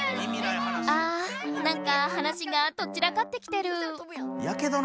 あなんか話がとっちらかってきてる。